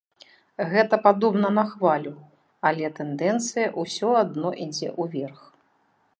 Гэта падобна на хвалю, але тэндэнцыя ўсё адно ідзе ўверх.